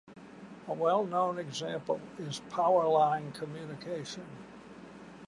A well-known example is power line communication.